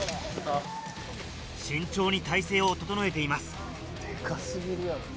慎重に体勢を整えています。